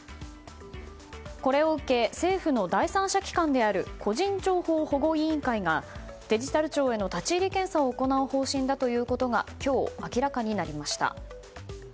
これを受け政府の第三者機関である個人情報保護委員会がデジタル庁への立ち入り検査を行う方針だということが今日、明らかになりました。